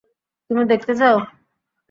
তুমি দেখতে চাও?